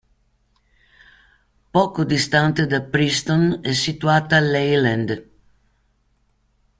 Poco distante da Preston è situata Leyland.